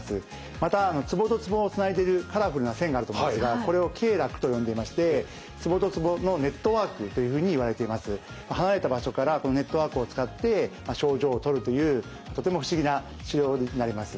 またツボとツボをつないでいるカラフルな線があると思うんですがこれを経絡と呼んでいまして離れた場所からこのネットワークを使って症状をとるというとても不思議な治療になります。